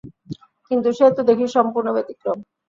কিন্তু সে তো দেখি সম্পূর্ণ ব্যাতিক্রম!